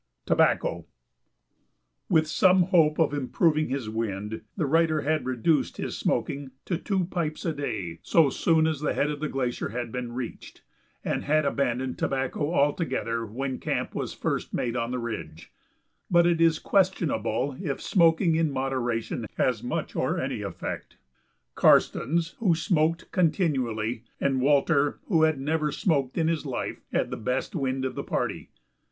[Sidenote: Tobacco] With some hope of improving his wind, the writer had reduced his smoking to two pipes a day so soon as the head of the glacier had been reached, and had abandoned tobacco altogether when camp was first made on the ridge; but it is questionable if smoking in moderation has much or any effect. Karstens, who smoked continually, and Walter, who had never smoked in his life, had the best wind of the party.